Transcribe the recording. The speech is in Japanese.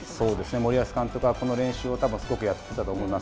森保監督は、この練習をすごくやってきたと思います。